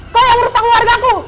kau yang merusak keluarga ku